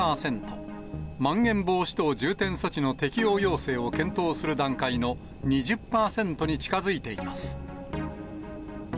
まん延防止等重点措置の適用要請を検討する段階の２０％に近づいています。